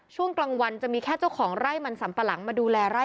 ช่วงกลางวันจะมีแค่เจ้าของไร่มันสัมปะหลังมาดูแลไร่